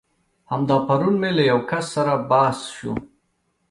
همدا پرون مې له يو کس سره بحث شو.